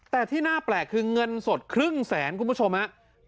แต่ที่น่าแปลกคือเงินสดครึ่งแสนคุณผู้ชมฮะ